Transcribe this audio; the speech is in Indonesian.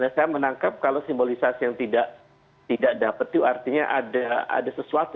saya menangkap kalau simbolisasi yang tidak dapat itu artinya ada sesuatu